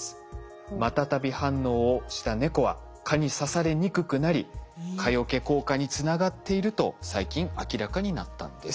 マタタビ反応をした猫は蚊に刺されにくくなり蚊よけ効果につながっていると最近明らかになったんです。